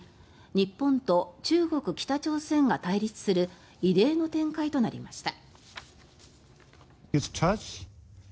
日本と中国、北朝鮮が対立する異例の展開となりました。